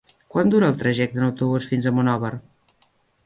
Quant dura el trajecte en autobús fins a Monòver?